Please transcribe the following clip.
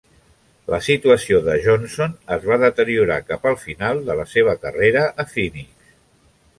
La situació de Johnson es va deteriorar cap al final de la seva carrera a Phoenix.